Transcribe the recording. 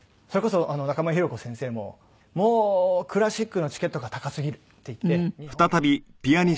それこそ中村紘子先生も「もうクラシックのチケットが高すぎる」って言って日本は。